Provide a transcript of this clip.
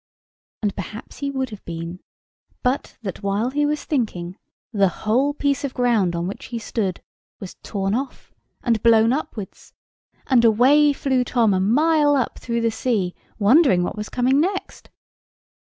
And perhaps he would have been, but that while he was thinking, the whole piece of ground on which he stood was torn off and blown upwards, and away flew Tom a mile up through the sea, wondering what was coming next.